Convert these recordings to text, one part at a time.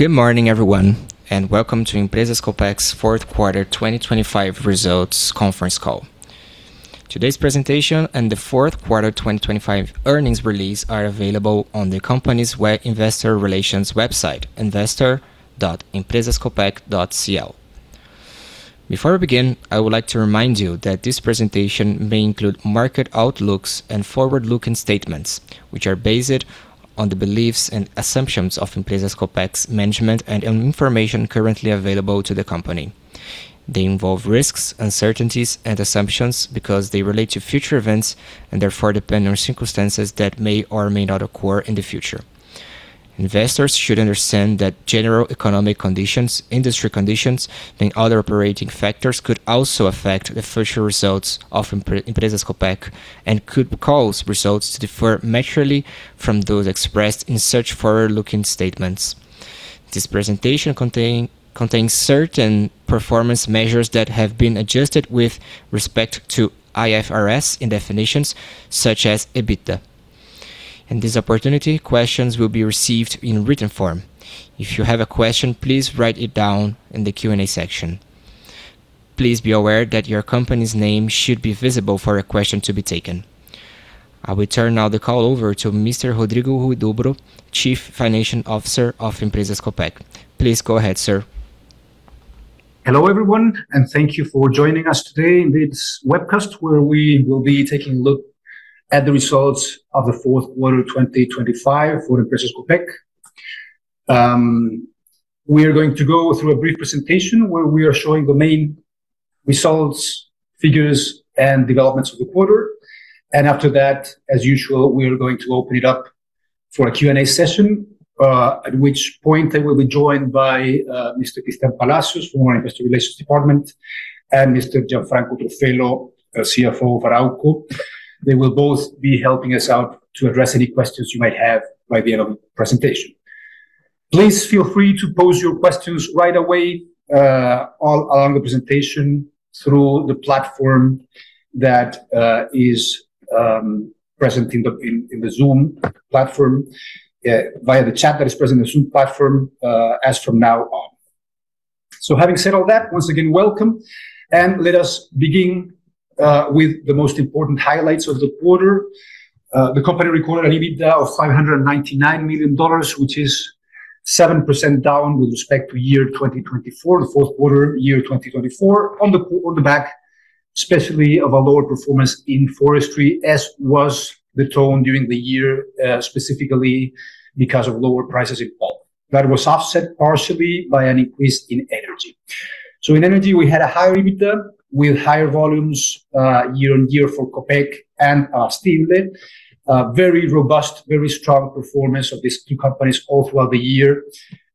Good morning, everyone, welcome to Empresas Copec's Fourth Quarter 2025 Results Conference Call. Today's presentation and the fourth quarter 2025 earnings release are available on the company's web Investor Relations website, investor.empresascopec.cl. Before we begin, I would like to remind you that this presentation may include market outlooks and forward-looking statements which are based on the beliefs and assumptions of Empresas Copec's management and on information currently available to the company. They involve risks, uncertainties, and assumptions because they relate to future events, and therefore depend on circumstances that may or may not occur in the future. Investors should understand that general economic conditions, industry conditions, and other operating factors could also affect the future results of Empresas Copec and could cause results to differ materially from those expressed in such forward-looking statements. This presentation contains certain performance measures that have been adjusted with respect to IFRS in definitions such as EBITDA. In this opportunity, questions will be received in written form. If you have a question, please write it down in the Q&A section. Please be aware that your company's name should be visible for a question to be taken. I will turn now the call over to Mr. Rodrigo Huidobro, Chief Financial Officer of Empresas Copec. Please go ahead, sir. Hello, everyone, thank you for joining us today in this webcast where we will be taking a look at the results of the fourth quarter 2025 for Empresas Copec. We are going to go through a brief presentation where we are showing the main results, figures, and developments of the quarter. After that, as usual, we are going to open it up for a Q&A session, at which point I will be joined by Mr. Cristián Palacios from our Investor Relations department and Mr. Gianfranco Truffello, CFO of Arauco. They will both be helping us out to address any questions you might have by the end of the presentation. Please feel free to pose your questions right away, all along the presentation through the platform that is present in the Zoom platform via the chat that is present in the Zoom platform as from now on. Having said all that, once again, welcome. Let us begin with the most important highlights of the quarter. The company recorded an EBITDA of $599 million, which is 7% down with respect to 2024, the fourth quarter 2024, on the back, especially of a lower performance in Forestry, as was the tone during the year, specifically because of lower prices in pulp. That was offset partially by an increase in energy. In energy, we had a higher EBITDA with higher volumes, year-on-year for Copec S.A. and Abastible. A very robust, very strong performance of these two companies all throughout the year,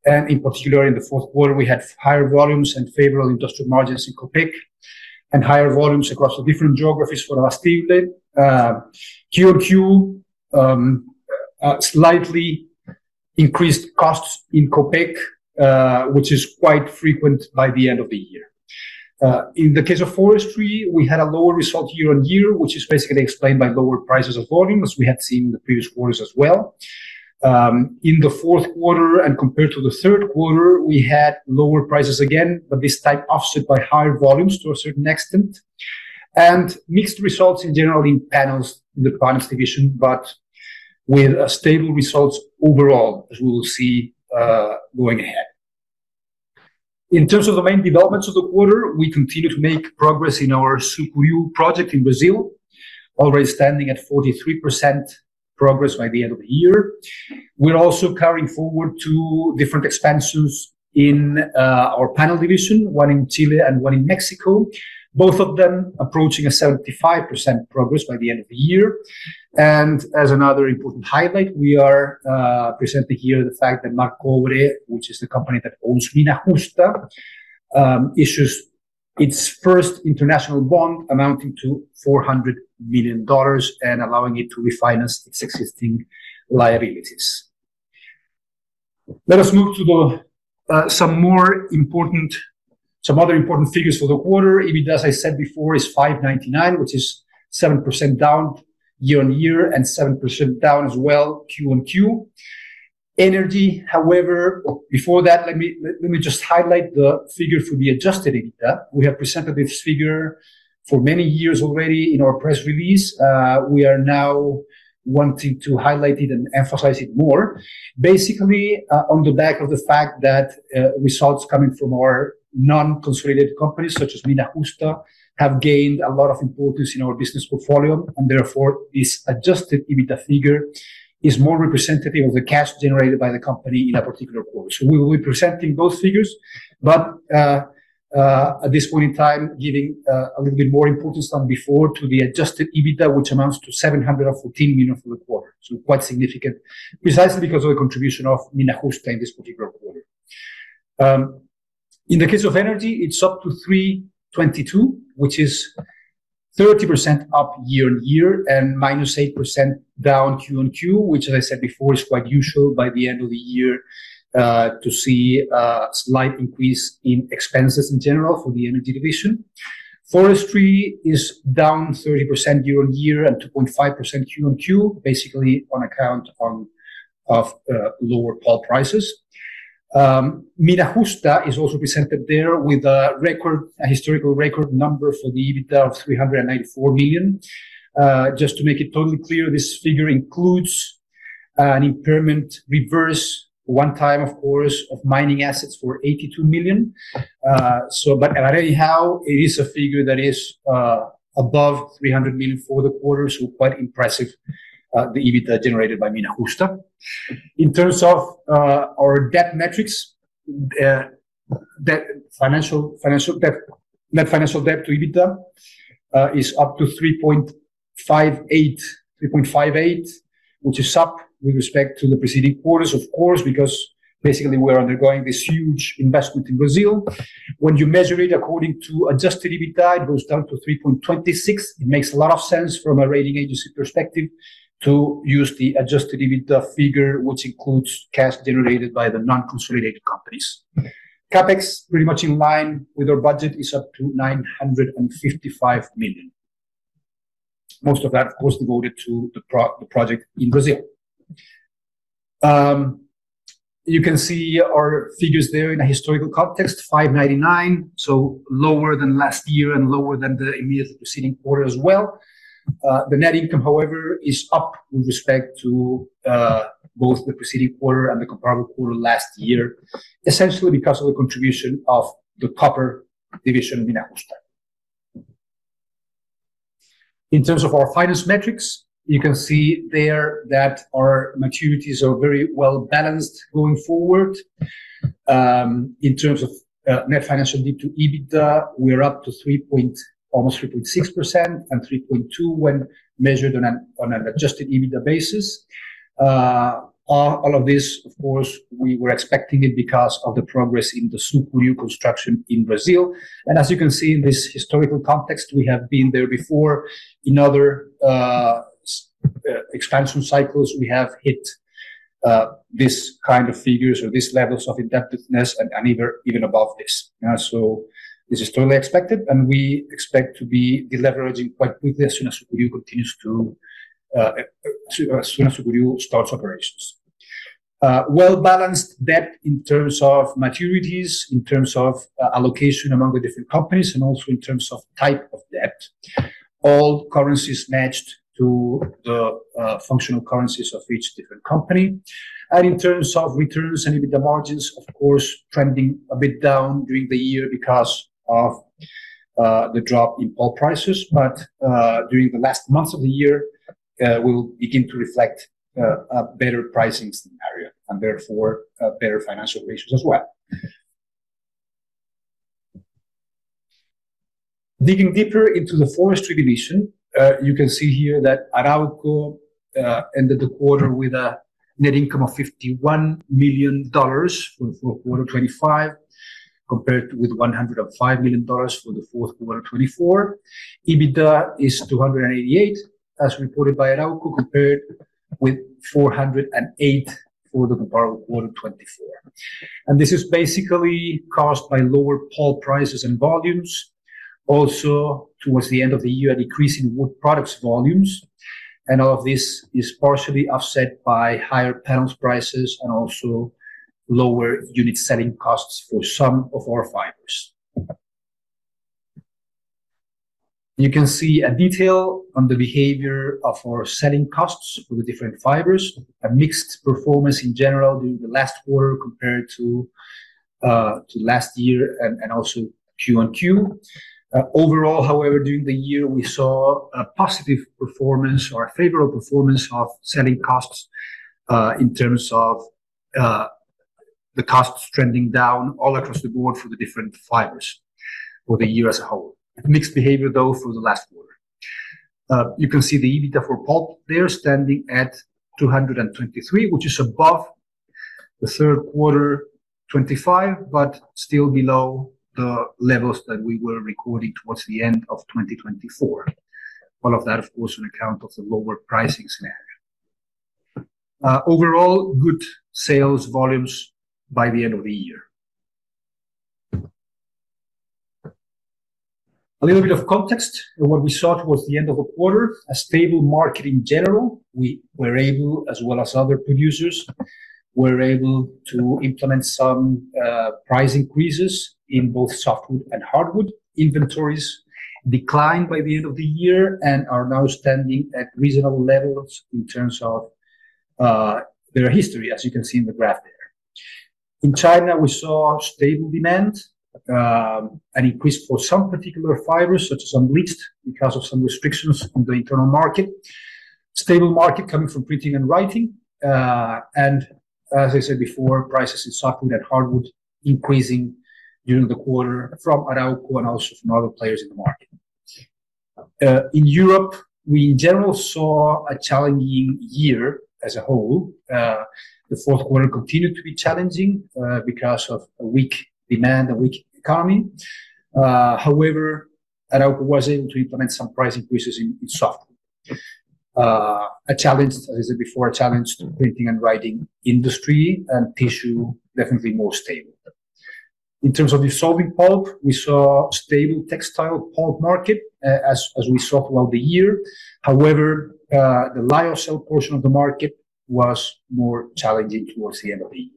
and in particular, in the fourth quarter, we had higher volumes and favorable industrial margins in Copec S.A. and higher volumes across the different geographies for Abastible. QoQ, slightly increased costs in Copec S.A., which is quite frequent by the end of the year. In the case of Forestry, we had a lower result year-on-year, which is basically explained by lower prices of volume, as we had seen in the previous quarters as well. In the fourth quarter and compared to the third quarter, we had lower prices again, but this time offset by higher volumes to a certain extent. Mixed results in general in the panels division, but with stable results overall, as we will see going ahead. In terms of the main developments of the quarter, we continue to make progress in our Sucuriú project in Brazil, already standing at 43% progress by the end of the year. We're also carrying forward two different expansions in our panel division, one in Chile and one in Mexico, both of them approaching a 75% progress by the end of the year. As another important highlight, we are presenting here the fact that Marcobre, which is the company that owns Mina Justa, issues its first international bond amounting to $400 million and allowing it to refinance its existing liabilities. Let us move to some other important figures for the quarter. EBITDA, as I said before, is $599, which is 7% down year-over-year and 7% down as well QoQ. Before that, let me just highlight the figure for the Adjusted EBITDA. We have presented this figure for many years already in our press release. We are now wanting to highlight it and emphasize it more. Basically, on the back of the fact that results coming from our non-consolidated companies, such as Mina Justa, have gained a lot of importance in our business portfolio, and therefore, this Adjusted EBITDA figure is more representative of the cash generated by the company in a particular quarter. We will be presenting both figures, but at this point in time, giving a little bit more importance than before to the Adjusted EBITDA, which amounts to $714 million for the quarter. Quite significant, precisely because of the contribution of Mina Justa in this particular quarter. In the case of energy, it's up to $322, which is 30% up year-on-year and -8% down QoQ, which, as I said before, is quite usual by the end of the year to see a slight increase in expenses in general for the energy division. Forestry is down 30% year-on-year and 2.5% Q-on-Q, basically on account of lower pulp prices. Mina Justa is also presented there with a record, a historical record number for the EBITDA of $394 million. Just to make it totally clear, this figure includes an impairment reverse, one-time of course, of Mining assets for $82 million. But anyhow, it is a figure that is above $300 million for the quarter, so quite impressive, the EBITDA generated by Mina Justa. In terms of our debt metrics, net financial debt to EBITDA is up to 3.58, 3.58, which is up with respect to the preceding quarters, of course, because basically we're undergoing this huge investment in Brazil. When you measure it according to Adjusted EBITDA, it goes down to 3.26. It makes a lot of sense from a rating agency perspective to use the Adjusted EBITDA figure, which includes cash generated by the non-consolidated companies. CapEx, pretty much in line with our budget, is up to $955 million. Most of that, of course, devoted to the project in Brazil. You can see our figures there in a historical context, $599 million, so lower than last year and lower than the immediate preceding quarter as well. The net income, however, is up with respect to both the preceding quarter and the comparable quarter last year, essentially because of the contribution of the copper division Mina Justa. In terms of our finance metrics, you can see there that our maturities are very well-balanced going forward. In terms of net financial debt to EBITDA, we're up to almost 3.6% and 3.2 when measured on an Adjusted EBITDA basis. All of this, of course, we were expecting it because of the progress in the Sucuriú construction in Brazil. As you can see in this historical context, we have been there before. In other expansion cycles, we have hit this kind of figures or these levels of indebtedness and even above this. This is totally expected, and we expect to be deleveraging quite quickly as soon as Sucuriú continues to, as soon as Sucuriú starts operations. Well-balanced debt in terms of maturities, in terms of allocation among the different companies, and also in terms of type of debt. All currencies matched to the functional currencies of each different company. In terms of returns and EBITDA margins, of course, trending a bit down during the year because of the drop in pulp prices. During the last months of the year, we will begin to reflect a better pricing scenario and therefore, better financial ratios as well. Digging deeper into the Forestry division, you can see here that Arauco ended the quarter with a net income of $51 million for the fourth quarter 2025, compared with $105 million for the fourth quarter 2024. EBITDA is $288 million, as reported by Arauco, compared with $408 million for the comparable quarter 2024. This is basically caused by lower pulp prices and volumes. Towards the end of the year, a decrease in wood products volumes. All of this is partially offset by higher panels prices and also lower unit selling costs for some of our fibers. You can see a detail on the behavior of our selling costs for the different fibers. A mixed performance in general during the last quarter compared to last year and also QoQ. Overall, however, during the year, we saw a positive performance or a favorable performance of selling costs, in terms of the costs trending down all across the board for the different fibers for the year as a whole. Mixed behavior, though, through the last quarter. You can see the EBITDA for pulp there standing at $223, which is above the third quarter $25, but still below the levels that we were recording towards the end of 2024. All of that, of course, on account of the lower pricing scenario. Overall, good sales volumes by the end of the year. A little bit of context. What we saw towards the end of the quarter, a stable market in general. We were able, as well as other producers, were able to implement some price increases in both softwood and hardwood. Inventories declined by the end of the year and are now standing at reasonable levels in terms of their history, as you can see in the graph there. In China, we saw stable demand, an increase for some particular fibers, such as unbleached, because of some restrictions on the internal market. Stable market coming from printing and writing. As I said before, prices in softwood and hardwood increasing during the quarter from Arauco and also from other players in the market. In Europe, we in general saw a challenging year as a whole. The fourth quarter continued to be challenging because of a weak demand, a weak economy. However, Arauco was able to implement some price increases in softwood. A challenge, as I said before, to printing and writing industry and tissue definitely more stable. In terms of dissolving pulp, we saw stable textile pulp market as we saw throughout the year. The lyocell portion of the market was more challenging towards the end of the year.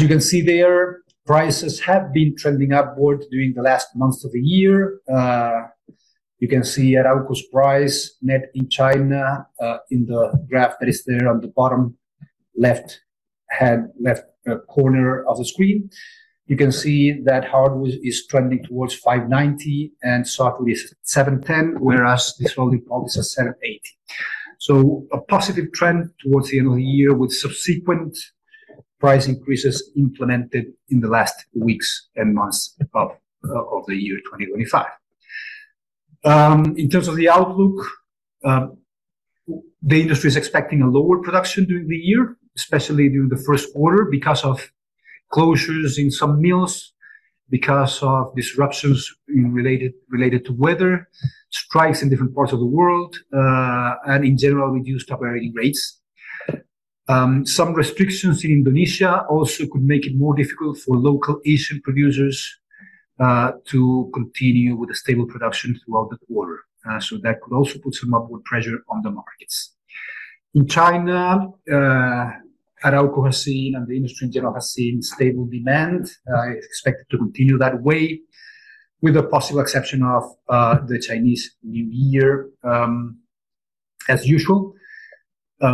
You can see there, prices have been trending upwards during the last months of the year. You can see Arauco's price net in China, in the graph that is there on the bottom left-hand, left, corner of the screen. You can see that hardwood is trending towards $590 and softwood is $710, whereas dissolving pulp is at $780. A positive trend towards the end of the year with subsequent price increases implemented in the last weeks and months of the year 2025. In terms of the outlook, the industry is expecting a lower production during the year, especially during the first quarter because of closures in some mills, because of disruptions related to weather, strikes in different parts of the world, and in general, reduced operating rates. Some restrictions in Indonesia also could make it more difficult for local Asian producers to continue with a stable production throughout the quarter. That could also put some upward pressure on the markets. In China, Arauco has seen and the industry in general has seen stable demand, expected to continue that way, with the possible exception of the Chinese New Year, as usual.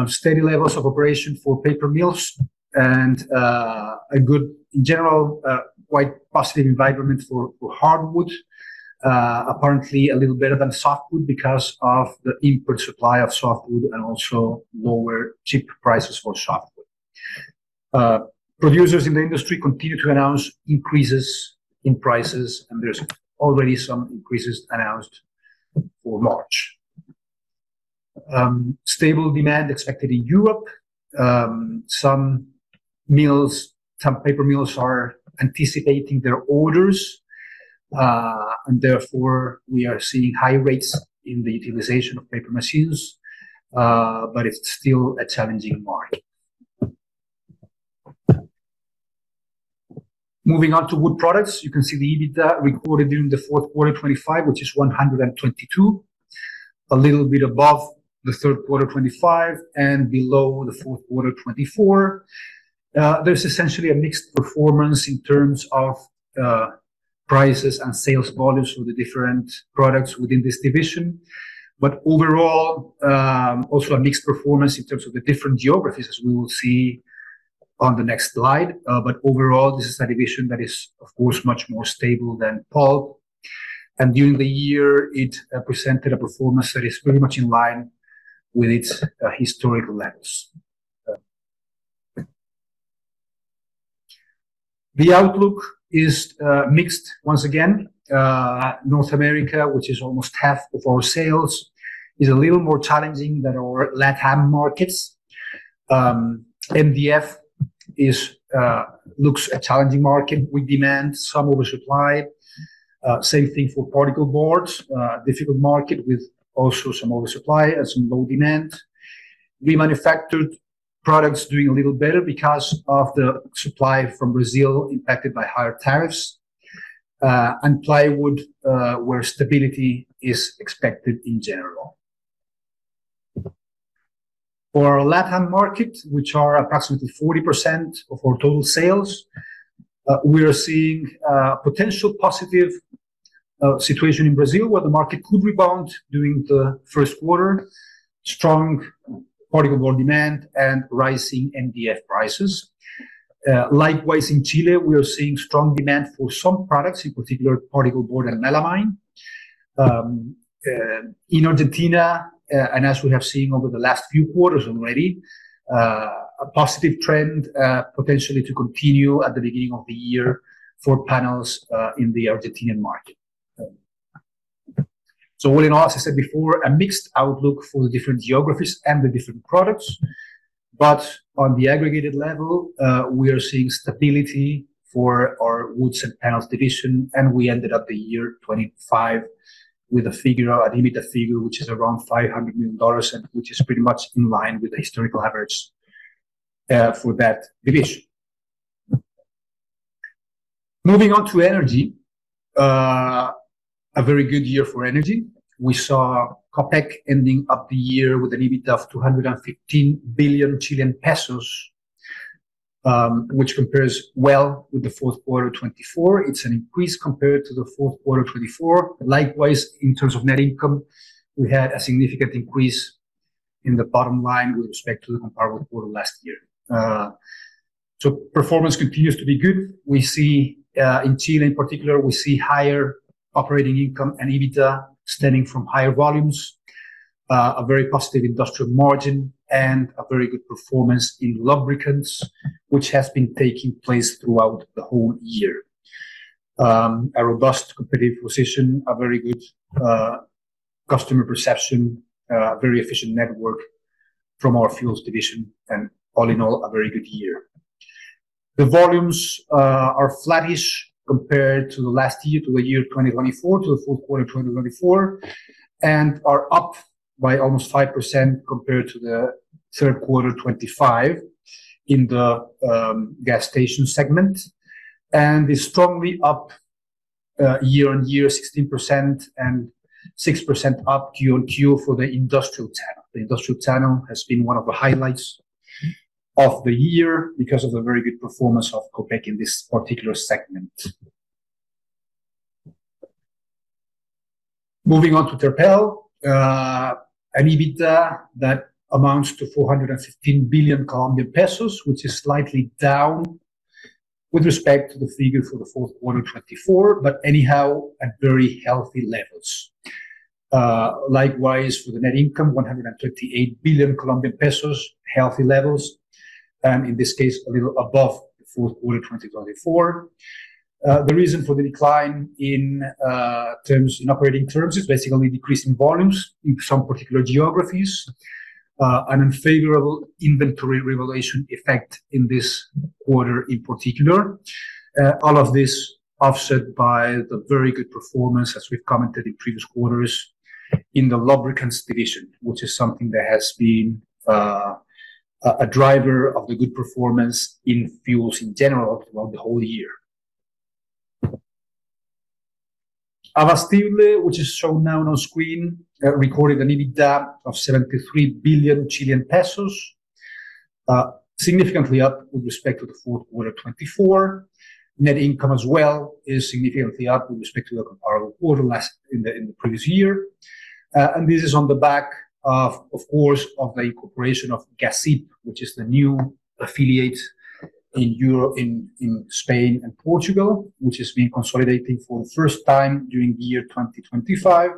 Steady levels of operation for paper mills and a good, in general, quite positive environment for hardwood. Apparently a little better than softwood because of the input supply of softwood and also lower cheap prices for softwood. Producers in the industry continue to announce increases in prices. There's already some increases announced for March. Stable demand expected in Europe. Some mills, some paper mills are anticipating their orders. Therefore, we are seeing high rates in the utilization of paper machines. It's still a challenging market. Moving on to wood products, you can see the EBITDA recorded during the fourth quarter 2025, which is 122, a little bit above the third quarter 2025 and below the fourth quarter 2024. There's essentially a mixed performance in terms of prices and sales volumes for the different products within this division. Overall, also a mixed performance in terms of the different geographies, as we will see on the next slide. Overall, this is a division that is, of course, much more stable than pulp. During the year, it presented a performance that is very much in line with its historical levels. The outlook is mixed once again. North America, which is almost half of our sales, is a little more challenging than our LatAm markets. MDF is looks a challenging market with demand, some oversupply. Same thing for particleboard. Difficult market with also some oversupply and some low demand. Remanufactured products doing a little better because of the supply from Brazil impacted by higher tariffs. Plywood, where stability is expected in general. For our LatAm market, which are approximately 40% of our total sales, we are seeing a potential positive situation in Brazil, where the market could rebound during the first quarter. Strong particleboard demand and rising MDF prices. Likewise, in Chile, we are seeing strong demand for some products, in particular particleboard and melamine. In Argentina, as we have seen over the last few quarters already, a positive trend potentially to continue at the beginning of the year for panels in the Argentine market. All in all, as I said before, a mixed outlook for the different geographies and the different products. On the aggregated level, we are seeing stability for our woods and panels division, and we ended up the year 2025 with a figure, an EBITDA figure, which is around $500 million and which is pretty much in line with the historical average for that division. Moving on to energy. A very good year for energy. We saw Copec ending up the year with an EBITDA of 215 billion Chilean pesos, which compares well with the fourth quarter 2024. It's an increase compared to the fourth quarter 2024. Likewise, in terms of net income, we had a significant increase in the bottom line with respect to the comparable quarter last year. Performance continues to be good. We see in Chile in particular, we see higher operating income and EBITDA stemming from higher volumes, a very positive industrial margin, and a very good performance in lubricants, which has been taking place throughout the whole year. A robust competitive position, a very good customer perception, a very efficient network from our fuels division, and all in all, a very good year. The volumes are flattish compared to the last year, to the year 2024, to the full quarter 2024, and are up by almost 5% compared to the third quarter 2025 in the gas station segment, and is strongly up year-on-year 16% and 6% up Q-on-Q for the industrial channel. The industrial channel has been one of the highlights of the year because of the very good performance of Copec in this particular segment. Moving on to Terpel. An EBITDA that amounts to COP 415 billion, which is slightly down with respect to the figure for the fourth quarter 2024. Anyhow, at very healthy levels. Likewise for the net income, COP 138 billion, healthy levels, in this case, a little above the fourth quarter 2024. The reason for the decline in terms, in operating terms is basically decreasing volumes in some particular geographies, an unfavorable inventory revelation effect in this quarter in particular. All of this offset by the very good performance, as we've commented in previous quarters, in the lubricants division, which is something that has been a driver of the good performance in fuels in general throughout the whole year. Abastible, which is shown now on screen, recorded an EBITDA of 73 billion Chilean pesos, significantly up with respect to the fourth quarter 2024. Net income as well is significantly up with respect to the comparable quarter in the previous year. This is on the back of course, of the incorporation of Gasib, which is the new affiliate in Europe, in Spain and Portugal, which is being consolidated for the first time during the year 2025.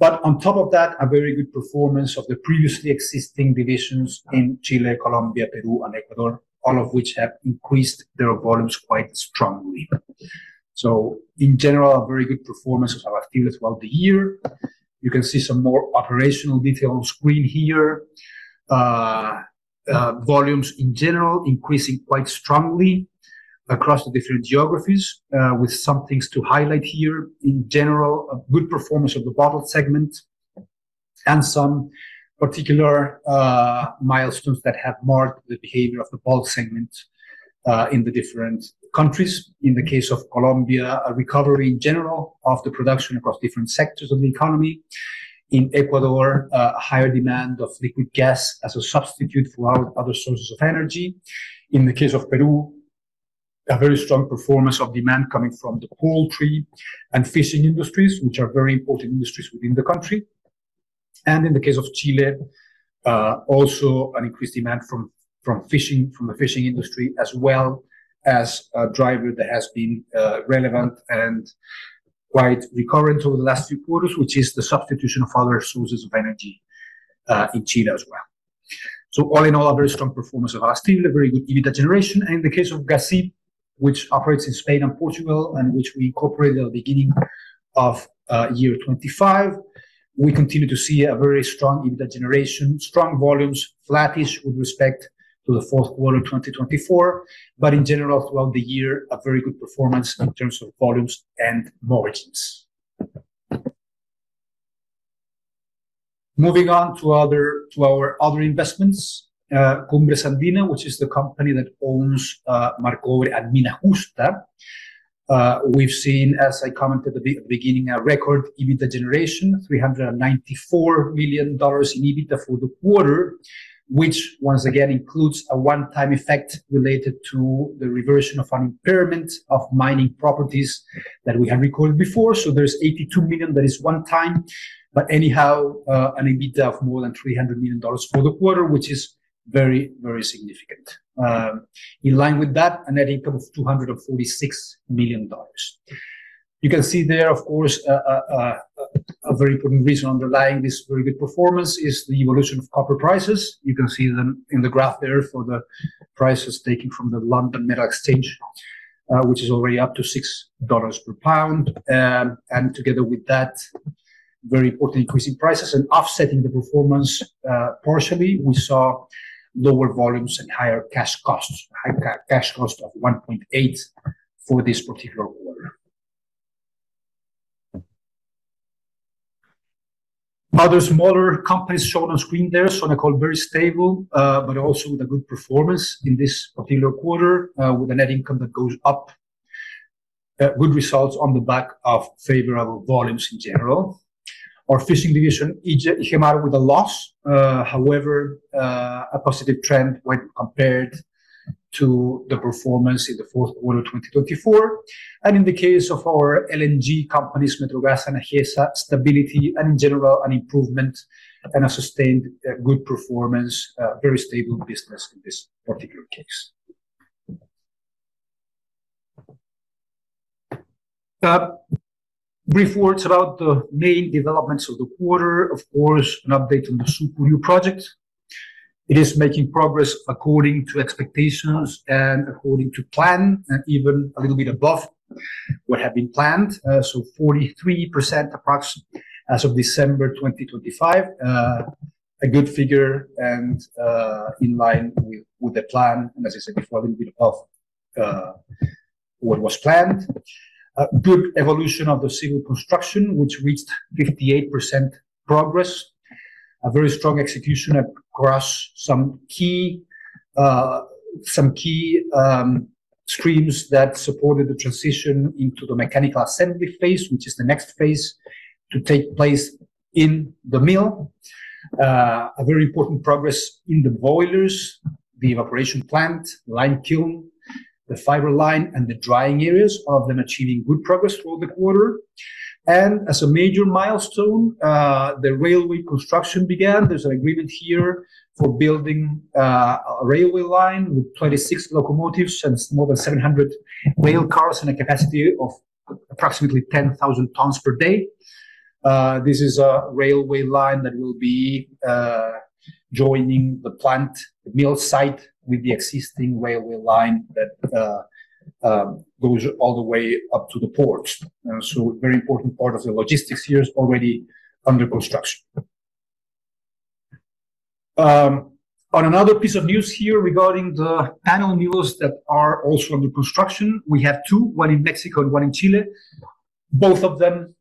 On top of that, a very good performance of the previously existing divisions in Chile, Colombia, Peru, and Ecuador, all of which have increased their volumes quite strongly. In general, a very good performance of Abastible throughout the year. You can see some more operational detail on screen here. Volumes in general increasing quite strongly across the different geographies, with some things to highlight here. In general, a good performance of the bottled segment and some particular milestones that have marked the behavior of the bulk segment in the different countries. In the case of Colombia, a recovery in general of the production across different sectors of the economy. In Ecuador, a higher demand of liquid gas as a substitute for our other sources of energy. In the case of Peru, a very strong performance of demand coming from the poultry and Fishing industries, which are very important industries within the country. In the case of Chile, also an increased demand from the Fishing industry, as well as a driver that has been relevant and quite recurrent over the last few quarters, which is the substitution of other sources of energy in Chile as well. All in all, a very strong performance of Abastible, a very good EBITDA generation. In the case of Gasib, which operates in Spain and Portugal, and which we incorporated at the beginning of year 2025, we continue to see a very strong EBITDA generation, strong volumes, flattish with respect to the fourth quarter 2024. In general, throughout the year, a very good performance in terms of volumes and margins. Moving on to our other investments, Cumbres Andinas, which is the company that owns Marcobre, Mina Justa. We've seen, as I commented at the beginning, a record EBITDA generation, $394 million in EBITDA for the quarter, which once again includes a one-time effect related to the reversion of an impairment of Mining properties that we have recorded before. There's $82 million that is one time, anyhow, an EBITDA of more than $300 million for the quarter, which is very, very significant. In line with that, a net income of $246 million. You can see there, of course, a very important reason underlying this very good performance is the evolution of copper prices. You can see them in the graph there for the prices taken from the London Metal Exchange, which is already up to $6 per pound. Together with that, very important increase in prices. Offsetting the performance, partially, we saw lower volumes and higher cash costs, high cash cost of $1.8 for this particular quarter. Other smaller companies shown on screen there, I call very stable, but also with a good performance in this particular quarter, with a net income that goes up, good results on the back of favorable volumes in general. Our Fishing division, Igemar, with a loss, however, a positive trend when compared to the performance in the fourth quarter 2024. In the case of our LNG companies, Metrogas and Agesa, stability and in general an improvement and a sustained good performance, very stable business in this particular case. Brief words about the main developments of the quarter, of course, an update on the Sucuriú project. It is making progress according to expectations and according to plan, and even a little bit above what had been planned. 43% approx as of December 2025. A good figure and in line with the plan, and as I said before, a little bit above what was planned. A good evolution of the civil construction, which reached 58% progress. A very strong execution across some key streams that supported the transition into the mechanical assembly phase, which is the next phase to take place in the mill. A very important progress in the boilers, the evaporation plant, lime kiln, the fiber line, and the drying areas have been achieving good progress through the quarter. As a major milestone, the railway construction began. There's an agreement here for building a railway line with 26 locomotives and more than 700 rail cars and a capacity of approximately 10,000 tons per day. This is a railway line that will be joining the plant, the mill site, with the existing railway line that goes all the way up to the port. Very important part of the logistics here is already under construction. On another piece of news here regarding the panel mills that are also under construction. We have two, one in Mexico and one in Chile, both of them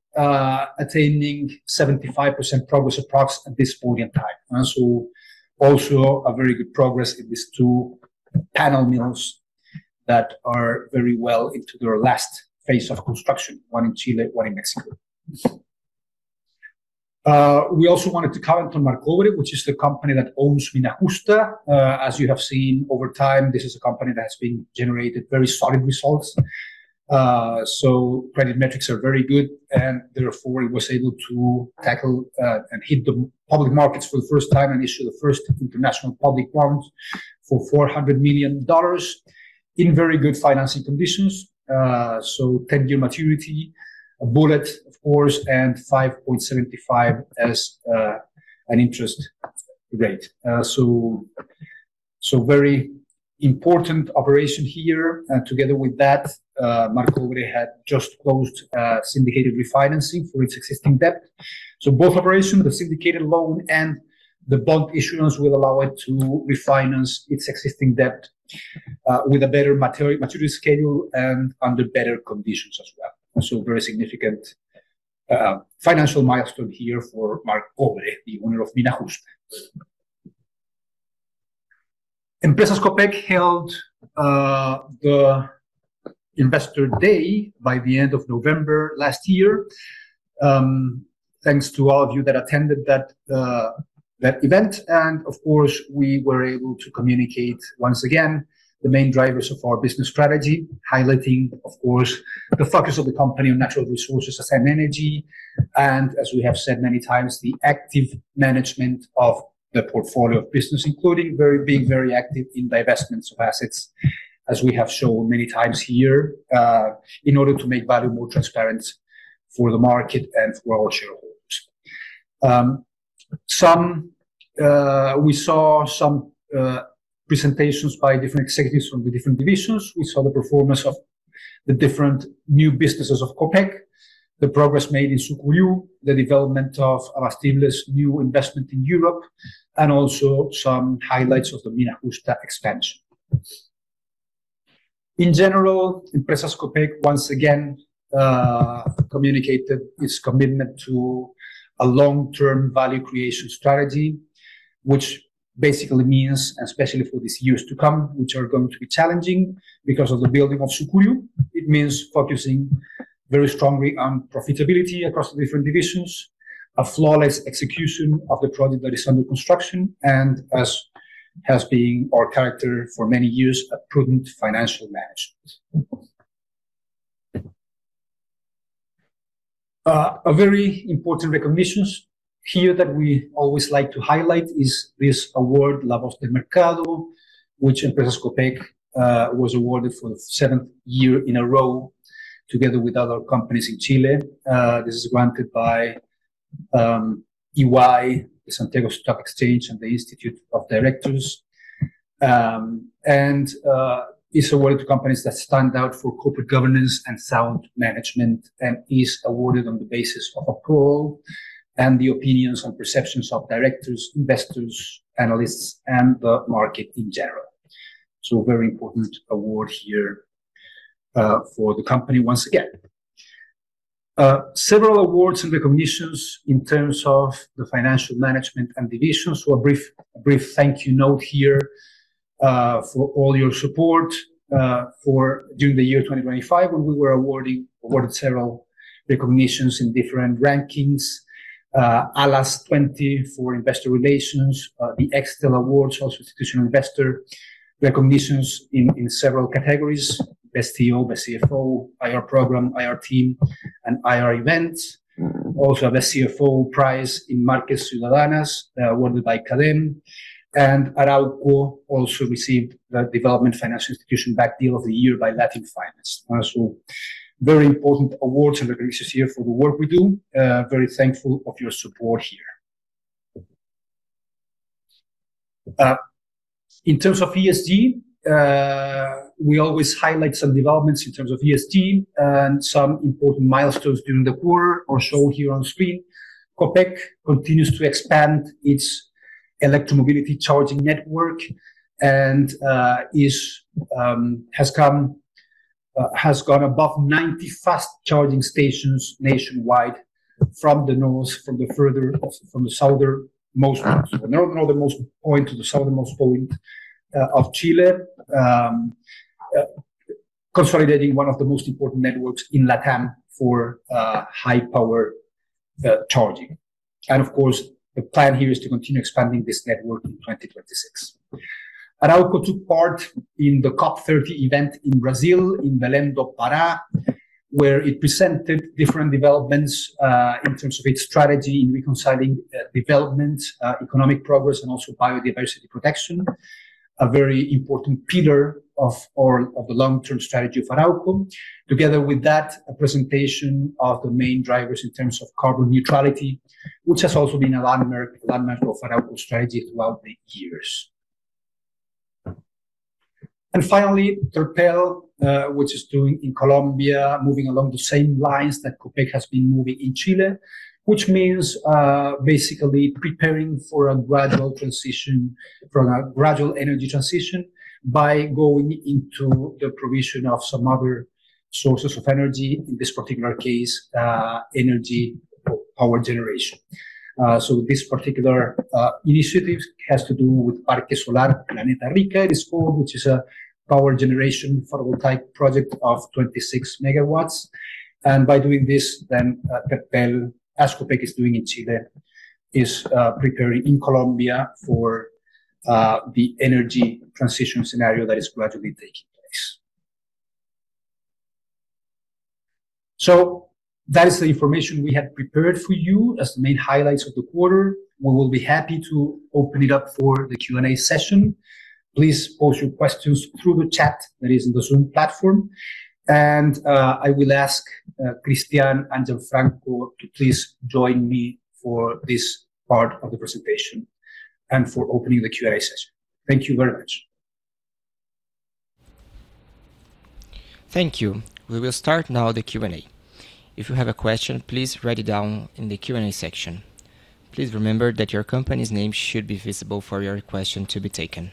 attaining 75% progress approx at this point in time. Also a very good progress in these two panel mills that are very well into their last phase of construction, one in Chile, one in Mexico. We also wanted to comment on Marcobre, which is the company that owns Mina Justa. As you have seen over time, this is a company that's been generated very solid results. Credit metrics are very good, and therefore it was able to tackle and hit the public markets for the first time and issue the first international public bonds for $400 million in very good financing conditions. 10-year maturity, a bullet of course, and 5.75 as an interest rate. Very important operation here. Together with that, Marcobre had just closed syndicated refinancing for its existing debt. Both operations, the syndicated loan and the bond issuance, will allow it to refinance its existing debt with a better maturity schedule and under better conditions as well. Very significant financial milestone here for Marcobre, the owner of Mina Justa. Empresas Copec held the Investor Day by the end of November last year. Thanks to all of you that attended that event, and of course, we were able to communicate once again the main drivers of our business strategy, highlighting, of course, the focus of the company on natural resources and energy. As we have said many times, the active management of the portfolio of business, including being very active in divestments of assets, as we have shown many times here, in order to make value more transparent for the market and for all shareholders. Some, we saw some presentations by different executives from the different divisions. We saw the performance of the different new businesses of Copec, the progress made in Sucuriú, the development of Abastible's new investment in Europe, and also some highlights of the Mina Justa expansion. In general, Empresas Copec once again communicated its commitment to a long-term value creation strategy, which basically means, especially for these years to come, which are going to be challenging because of the building of Sucuriú, it means focusing very strongly on profitability across the different divisions, a flawless execution of the project that is under construction, and as has been our character for many years, a prudent financial management. A very important recognitions here that we always like to highlight is this award, La Voz del Mercado, which Empresas Copec was awarded for the seventh year in a row together with other companies in Chile. This is granted by EY, the Santiago Stock Exchange, and the Institute of Directors. It's awarded to companies that stand out for corporate governance and sound management and is awarded on the basis of a poll and the opinions and perceptions of directors, investors, analysts, and the market in general. A very important award here for the company once again. Several awards and recognitions in terms of the financial management and divisions. A brief thank you note here for all your support during the year 2025 when we were awarded several recognitions in different rankings. ALAS20 for investor relations, the Extel Awards for Institutional Investor recognitions in several categories: Best CEO, Best CFO, IR Program, IR Team, and IR events. Also, Best CFO prize in Marcas Ciudadanas, awarded by Cadem. Arauco also received the Development Financial Institution-Backed Deal of the Year by LatinFinance. Very important awards and recognitions here for the work we do. Very thankful of your support here. In terms of ESG, we always highlight some developments in terms of ESG and some important milestones during the quarter are shown here on screen. Copec continues to expand its electromobility charging network and has gone above 90 fast-charging stations nationwide from the northernmost point to the southernmost point of Chile. Consolidating one of the most important networks in LatAm for high-power charging. Of course, the plan here is to continue expanding this network in 2026. Arauco took part in the COP30 event in Brazil, in Belém do Pará, where it presented different developments in terms of its strategy in reconciling development, economic progress, and also biodiversity protection, a very important pillar of our, of the long-term strategy of Arauco. Together with that, a presentation of the main drivers in terms of carbon neutrality, which has also been a landmark of Arauco strategy throughout the years. Finally, Terpel, which is doing in Colombia, moving along the same lines that Copec has been moving in Chile, which means basically preparing for a gradual transition, for a gradual energy transition by going into the provision of some other sources of energy, in this particular case, energy or power generation. This particular initiative has to do with Parque Solar Planeta Rica it is called, which is a power generation photovoltaic project of 26 megawatts. By doing this, Terpel, as Copec S.A. is doing in Chile, is preparing in Colombia for the energy transition scenario that is gradually taking place. That is the information we had prepared for you as the main highlights of the quarter. We will be happy to open it up for the Q&A session. Please post your questions through the chat that is in the Zoom platform. I will ask Cristián and Gianfranco to please join me for this part of the presentation and for opening the Q&A session. Thank you very much. Thank you. We will start now the Q&A. If you have a question, please write it down in the Q&A section. Please remember that your company's name should be visible for your question to be taken.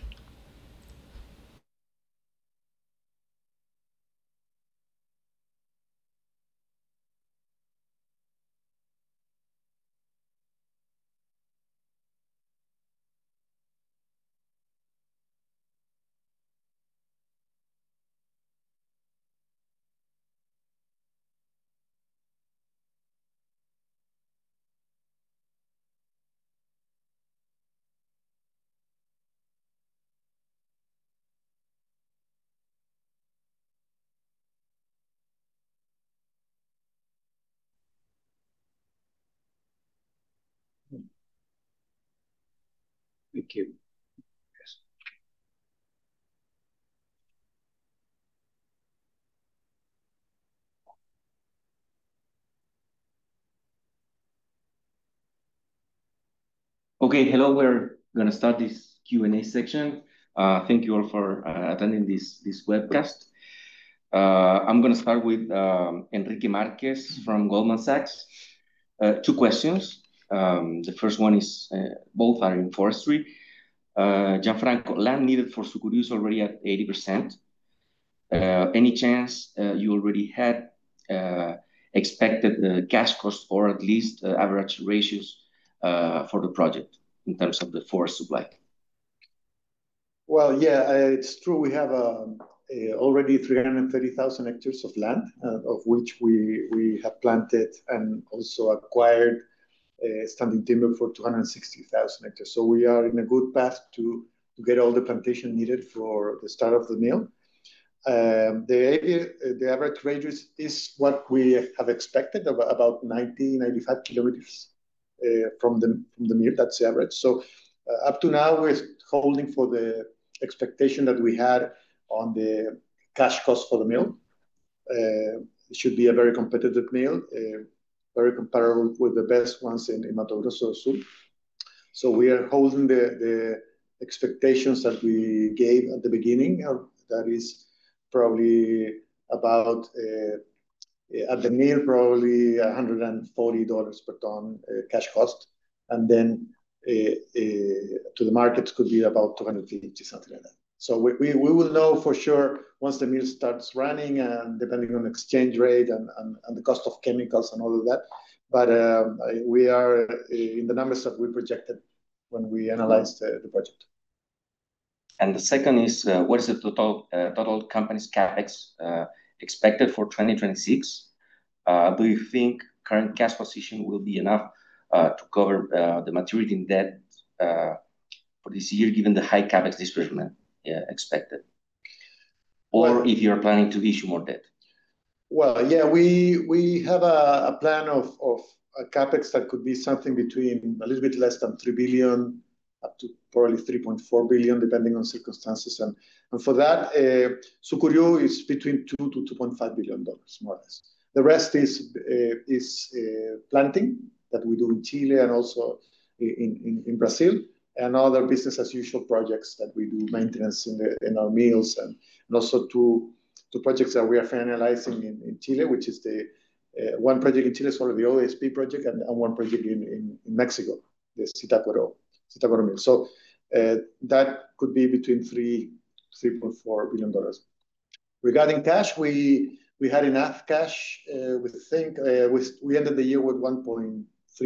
Thank you. Yes. Okay. Hello. We're gonna start this Q&A section. Thank you all for attending this webcast. I'm gonna start with Enrique Marquez from Goldman Sachs. Two questions. The first one is, both are in Forestry. Gianfranco, land needed for Sucuriú is already at 80%. Any chance you already had expected the cash costs or at least average ratios for the project in terms of the forest supply? Yeah, it's true. We have already 330,000 hectares of land, of which we have planted and also acquired standing timber for 260,000 hectares. We are in a good path to get all the plantation needed for the start of the mill. The average ratios is what we have expected, about 90-95 kilometers from the mill. That's the average. Up to now, we're holding for the expectation that we had on the cash cost for the mill. It should be a very competitive mill, very comparable with the best ones in Mato Grosso do Sul. We are holding the expectations that we gave at the beginning. That is probably about at the mill, probably $140 per ton cash cost, and then to the markets could be about $250, something like that. We will know for sure once the mill starts running and depending on exchange rate and the cost of chemicals and all of that. We are in the numbers that we projected when we analyzed the project. The second is, what is the total company's CapEx expected for 2026? Do you think current cash position will be enough to cover the maturity in debt for this year, given the high CapEx disbursement expected? If you're planning to issue more debt. Well, yeah, we have a plan of a CapEx that could be something between a little bit less than $3 billion up to probably $3.4 billion, depending on circumstances. For that, Sucuriú is between $2 billion-$2.5 billion more or less. The rest is planting that we do in Chile and also in Brazil and other business as usual projects that we do maintenance in our mills and also two projects that we are finalizing in Chile, which is the one project in Chile is one of the OSP project and one project in Mexico, the mill. That could be between $3 billion-$3.4 billion. Regarding cash, we had enough cash. We think we ended the year with $1.3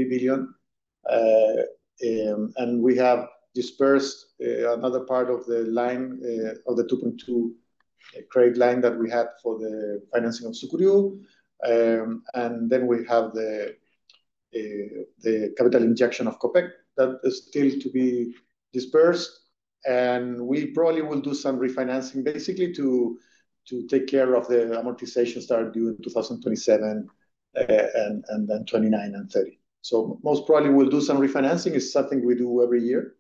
billion. We have dispersed another part of the line of the $2.2 credit line that we have for the financing of Sucuriú. We have the capital injection of Copec that is still to be dispersed, and we probably will do some refinancing basically to take care of the amortization start due in 2027, and then 2029 and 2030. Most probably we'll do some refinancing. It's something we do every year.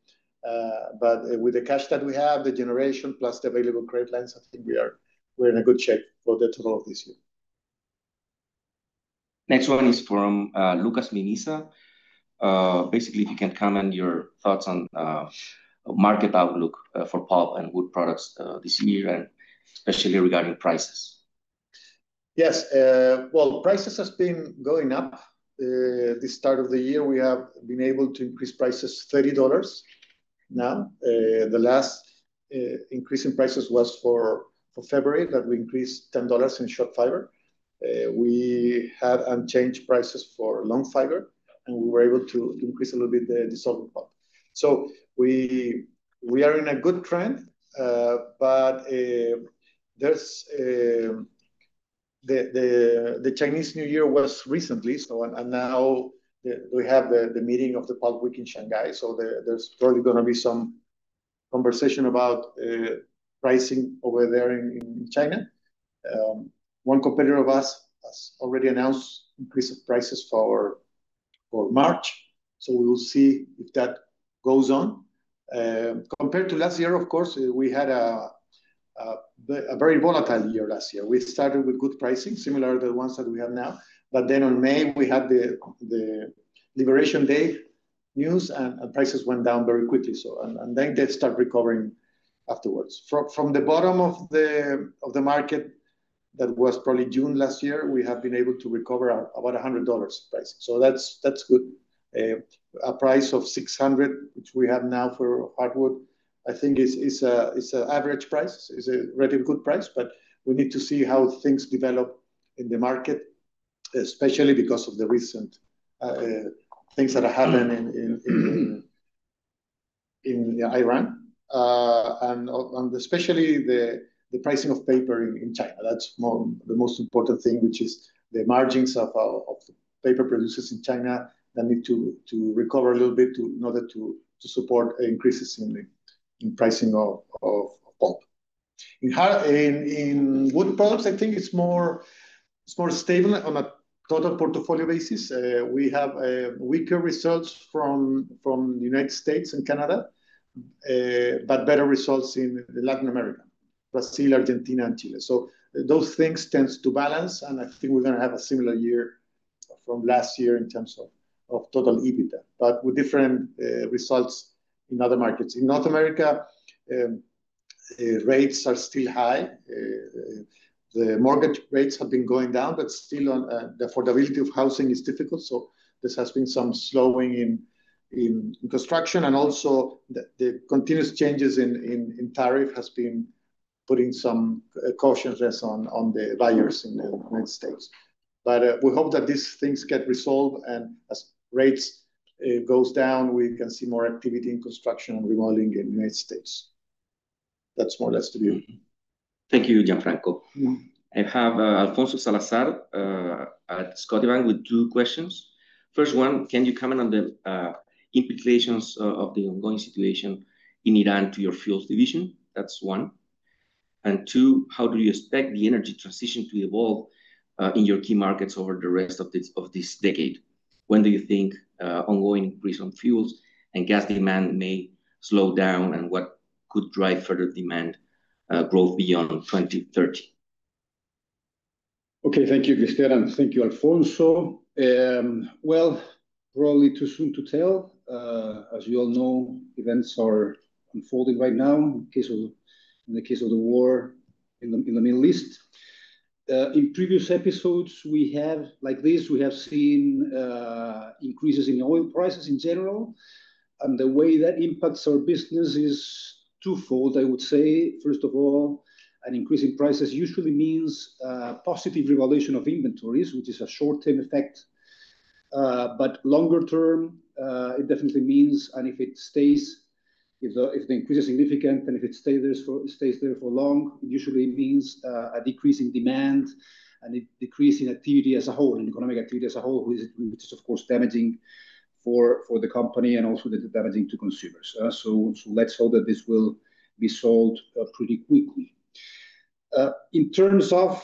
With the cash that we have, the generation plus the available credit lines, I think we're in a good shape for the total of this year. Next one is from Lucas [Mineses]. Basically, if you can comment your thoughts on market outlook for pulp and wood products this year and especially regarding prices? Yes. Well, prices has been going up. This start of the year we have been able to increase prices $30 now. The last increase in prices was for February that we increased $10 in short fiber. We had unchanged prices for long fiber, and we were able to increase a little bit the dissolving pulp. We are in a good trend, but there's the Chinese New Year was recently, and now we have the meeting of the pulp week in Shanghai. There's probably gonna be some conversation about pricing over there in China. One competitor of us has already announced increase of prices for March, we will see if that goes on. Compared to last year, of course, we had a very volatile year last year. We started with good pricing, similar to the ones that we have now. On May we had the Liberation Day news and prices went down very quickly. Then they start recovering afterwards. From the bottom of the market, that was probably June last year, we have been able to recover about $100 price. That's good. A price of $600, which we have now for hardwood, I think is a average price, is a really good price. We need to see how things develop in the market, especially because of the recent things that are happening in Iran. Especially the pricing of paper in China. That's the most important thing, which is the margins of the paper producers in China that need to recover a little bit to support increases in pricing of pulp. In wood products, I think it's more stable on a total portfolio basis. We have weaker results from the United States and Canada, but better results in Latin America, Brazil, Argentina and Chile. Those things tends to balance, and I think we're gonna have a similar year from last year in terms of total EBITDA, but with different results in other markets. In North America, rates are still high. The mortgage rates have been going down, but still the affordability of housing is difficult. This has been some slowing in construction. Also the continuous changes in tariff has been putting some cautiousness on the buyers in the United States. We hope that these things get resolved and as rates goes down, we can see more activity in construction and remodeling in the United States. That's more or less the view. Thank you, Gianfranco. Mm-hmm. I have Alfonso Salazar at Scotiabank with two questions. First one, can you comment on the implications of the ongoing situation in Iran to your fuels division? That's one. Two, how do you expect the energy transition to evolve in your key markets over the rest of this, of this decade? When do you think ongoing increase on fuels and gas demand may slow down, and what could drive further demand growth beyond 2030? Okay. Thank you, Cristián. Thank you, Alfonso. Well, probably too soon to tell. As you all know, events are unfolding right now in the case of the war in the Middle East. In previous episodes we have, like this, we have seen increases in oil prices in general, and the way that impacts our business is twofold, I would say. First of all, an increase in prices usually means positive revaluation of inventories, which is a short-term effect. Longer-term, it definitely means and if it stays, if the increase is significant and if it stays there for long, it usually means a decrease in demand and it decrease in activity as a whole, in economic activity as a whole, which is of course damaging for the company and also damaging to consumers. So let's hope that this will be solved pretty quickly. In terms of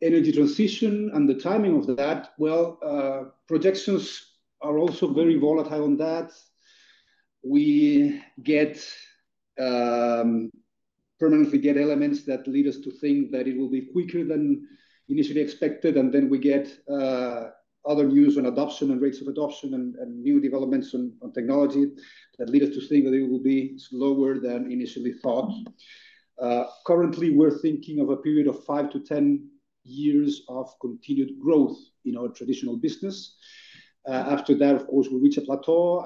energy transition and the timing of that, well, projections are also very volatile on that. We get permanently get elements that lead us to think that it will be quicker than initially expected, and then we get other news on adoption and rates of adoption and new developments on technology that lead us to think that it will be slower than initially thought. Currently, we're thinking of a period of 5-10 years of continued growth in our traditional business. After that, of course, we'll reach a plateau,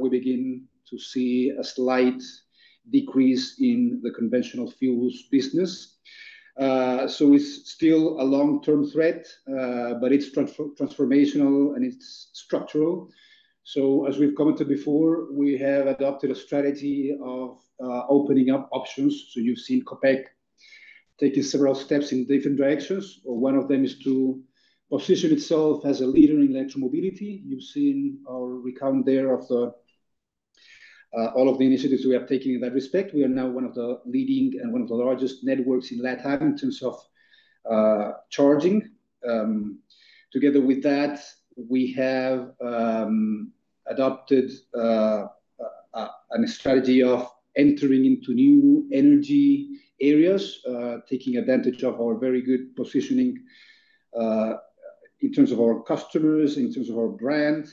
we begin to see a slight decrease in the conventional fuels business. It's still a long-term threat, but it's transformational and it's structural. As we've commented before, we have adopted a strategy of opening up options. You've seen Copec taking several steps in different directions. One of them is to position itself as a leader in electro-mobility. You've seen our recount there of the all of the initiatives we are taking in that respect. We are now one of the leading and one of the largest networks in Latin in terms of charging. Together with that, we have adopted a strategy of entering into new energy areas, taking advantage of our very good positioning, in terms of our customers, in terms of our brand.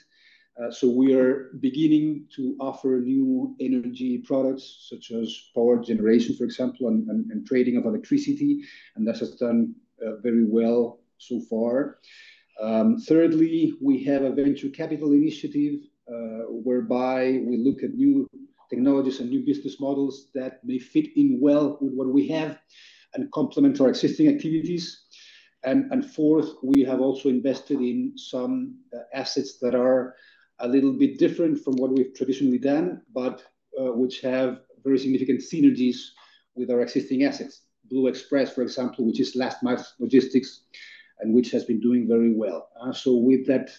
We are beginning to offer new energy products such as power generation, for example, and trading of electricity, and that has done very well so far. Thirdly, we have a venture capital initiative, whereby we look at new technologies and new business models that may fit in well with what we have and complement our existing activities. Fourth, we have also invested in some assets that are a little bit different from what we've traditionally done, but which have very significant synergies with our existing assets. Blue Express, for example, which is last mile logistics, and which has been doing very well. With that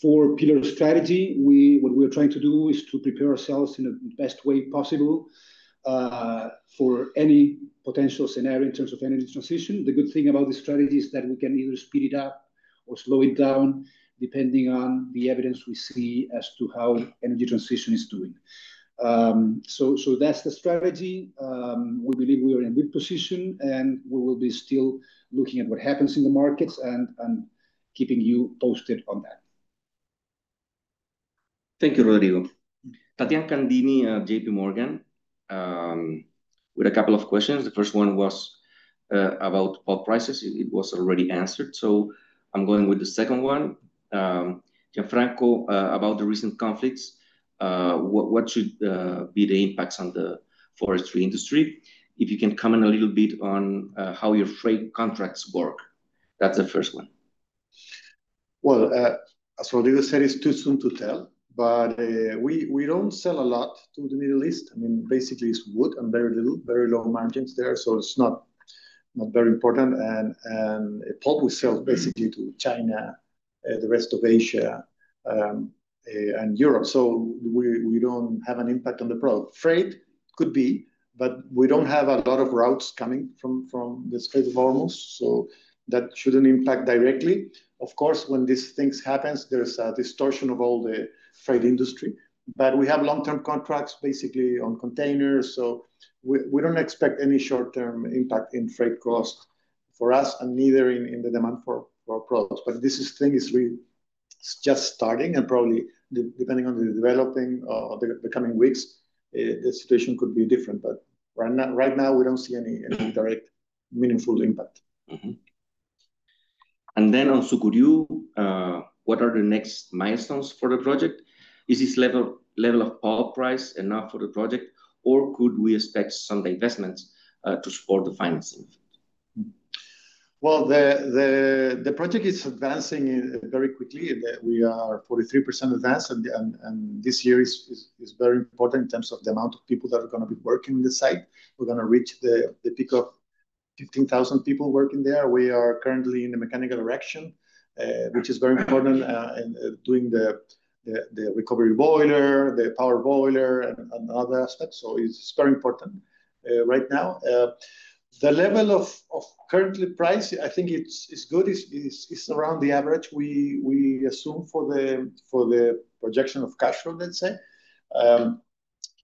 four-pillar strategy, what we're trying to do is to prepare ourselves in the best way possible for any potential scenario in terms of energy transition. The good thing about this strategy is that we can either speed it up or slow it down depending on the evidence we see as to how energy transition is doing. That's the strategy. We believe we are in a good position, and we will be still looking at what happens in the markets and keeping you posted on that. Thank you, Rodrigo. Tathiane Candini, JPMorgan, with a couple of questions. The first one was about pulp prices. It was already answered, I'm going with the second one. Gianfranco, about the recent conflicts, what should be the impacts on the Forestry industry? If you can comment a little bit on how your freight contracts work. That's the first one. Well, as Rodrigo said, it's too soon to tell. We don't sell a lot to the Middle East. I mean, basically it's wood and very little, very low margins there, so it's not very important. Pulp, we sell basically to China, the rest of Asia, and Europe, so we don't have an impact on the product. Freight could be, but we don't have a lot of routes coming from the Strait of Hormuz, so that shouldn't impact directly. Of course, when these things happens, there's a distortion of all the freight industry. We have long-term contracts basically on containers, so we don't expect any short-term impact in freight cost for us and neither in the demand for products. This thing is just starting, and probably depending on the developing, the coming weeks, the situation could be different. Right now we don't see any direct meaningful impact. Mm-hmm. Also could you, what are the next milestones for the project? Is this level of pulp price enough for the project, or could we expect some investments to support the financing of it? The project is advancing very quickly. We are 43% advanced, and this year is very important in terms of the amount of people that are going to be working in the site. We are going to reach the peak of 15,000 people working there. We are currently in the mechanical erection, which is very important in doing the recovery boiler, the power boiler, and other aspects. It's very important right now. The level of currently price, I think it's good. It's around the average we assume for the projection of cash flow, let's say.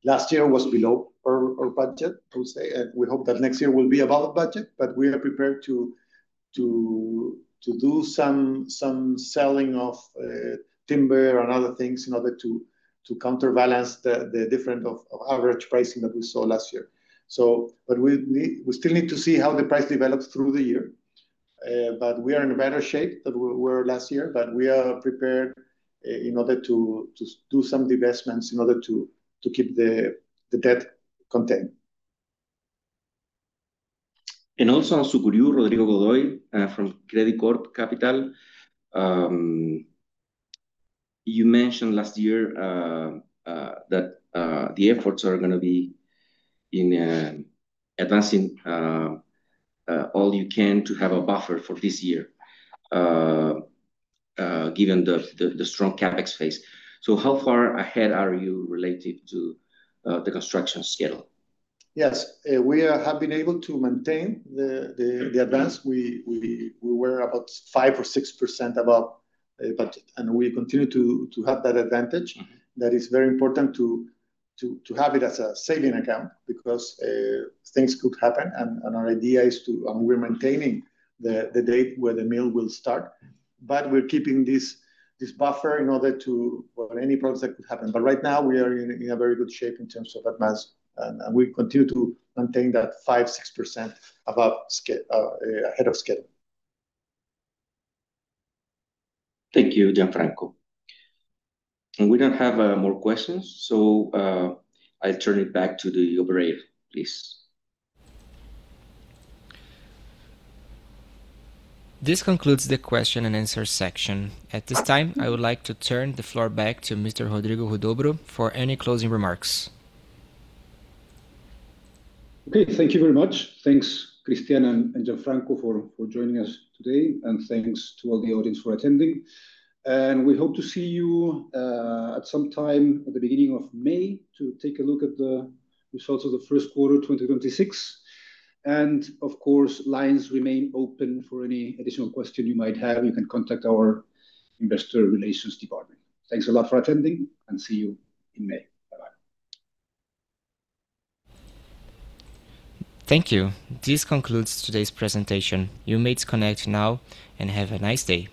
Last year was below our budget, I would say. We hope that next year will be above budget, but we are prepared to do some selling of timber and other things in order to counterbalance the different of average pricing that we saw last year. We still need to see how the price develops through the year, but we are in a better shape than we were last year, but we are prepared in order to do some divestments, in order to keep the debt contained. Also could you, Rodrigo Godoy, from Credicorp Capital, you mentioned last year that the efforts are gonna be in advancing all you can to have a buffer for this year given the strong CapEx phase. How far ahead are you related to the construction schedule? Yes. We have been able to maintain the advance. We were about 5% or 6% above budget, and we continue to have that advantage. That is very important to have it as a saving account because things could happen and we're maintaining the date where the mill will start, but we're keeping this buffer in order to for any problems that could happen. Right now we are in a very good shape in terms of advance, and we continue to maintain that 5%, 6% ahead of schedule. Thank you, Gianfranco. We don't have more questions. I turn it back to the operator, please. This concludes the question and answer section. At this time, I would like to turn the floor back to Mr. Rodrigo Huidobro for any closing remarks. Okay. Thank you very much. Thanks, Cristián and Gianfranco for joining us today, and thanks to all the audience for attending. We hope to see you at some time at the beginning of May to take a look at the results of the first quarter 2026. Of course, lines remain open for any additional question you might have. You can contact our investor relations department. Thanks a lot for attending, and see you in May. Bye-bye. Thank you. This concludes today's presentation. You may disconnect now, and have a nice day.